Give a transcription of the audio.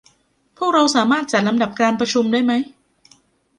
พวกเราสามารถจัดลำดับการประชุมได้ไหม